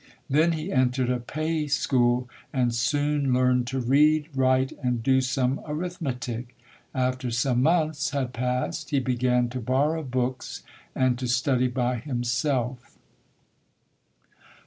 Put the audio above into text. Then he entered a pay 158 ] UNSUNG HEROES school and soon learned to read, write and do some arithmetic. After some months had passed he began to borrow books and to study by himself.